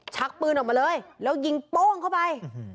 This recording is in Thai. ชักปืนออกมาเลยแล้วยิงโป้งเข้าไป